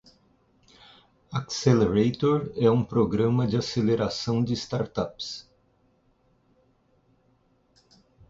Accelerator é um programa de aceleração de startups.